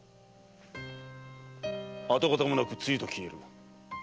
跡形もなく露と消える。